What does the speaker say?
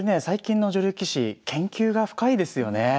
最近の女流棋士研究が深いですよね。